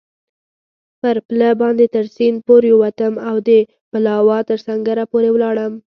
پر پله باندې تر سیند پورېوتم او د پلاوا تر سنګره پورې ولاړم.